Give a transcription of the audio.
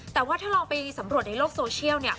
แต่ว่าถ้าลองไปสำรวจในโลกโซเชียลเนี่ย